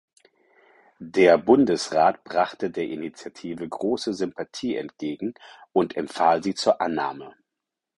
Der Bundesrat brachte der Initiative grosse Sympathie entgegen und empfahl sie zur Annahme.